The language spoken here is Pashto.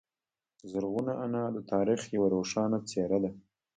زرغونه انا د تاریخ یوه روښانه څیره ده.